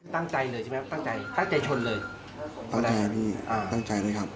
ตั้งใจเลยใช่ไหมตั้งใจตั้งใจชนเลยตอนแรกครับพี่อ่าตั้งใจไหมครับ